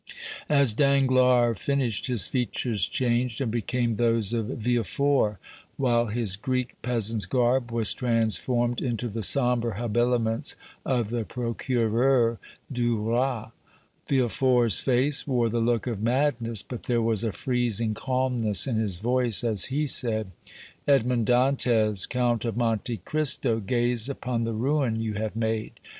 As Danglars finished, his features changed and became those of Villefort, while his Greek peasant's garb was transformed into the sombre habiliments of the Procureur du Roi. Villefort's face wore the look of madness, but there was a freezing calmness in his voice as he said: "Edmond Dantès, Count of Monte Cristo, gaze upon the ruin you have made.